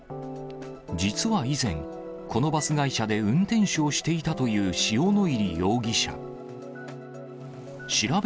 実は以前、このバス会社で運転手をしていたという塩野入容疑者。